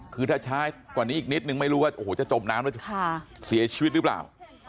คือถ้าช้ากว่านี้อีกนิดนึงไม่รู้ว่าโอ้โหจะจมน้ำแล้วจะเสียชีวิตหรือเปล่า